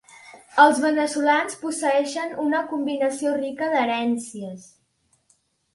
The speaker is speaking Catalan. Els veneçolans posseeixen una combinació rica d'herències.